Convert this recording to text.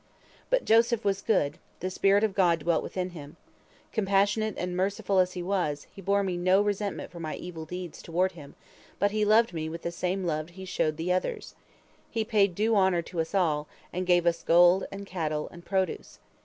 But Joseph was good, the spirit of God dwelt within him. Compassionate and merciful as he was, he bore me no resentment for my evil deeds toward him, but he loved me with the same love he showed the others. He paid due honor to us all, and gave us gold, and cattle, and produce.